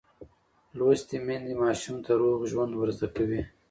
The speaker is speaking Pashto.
لوستې میندې ماشوم ته روغ ژوند ورزده کوي.